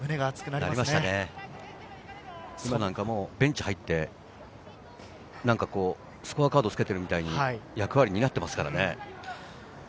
ベンチに入って、何だかスコアカードをつけているみたいに役割を担っていますね。